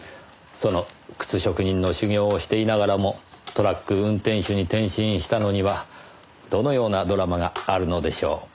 その靴職人の修業をしていながらもトラック運転手に転身したのにはどのようなドラマがあるのでしょう。